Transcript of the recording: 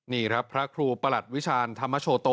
นี่ครับพระครูประหลัดวิชาณธรรมโชโต